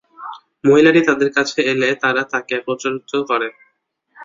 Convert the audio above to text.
মহিলাটি তাদের কাছে এলে তারা তাকে প্ররোচিত করে।